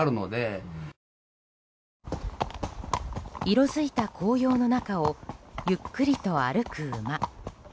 色づいた紅葉の中をゆっくりと歩く馬。